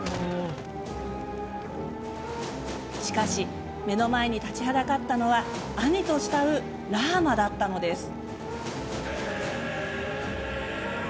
しかし、目の前に立ちはだかったのは兄と慕うラーマだったのです。